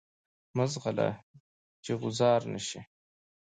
مه ځغله چی غوځار نه شی.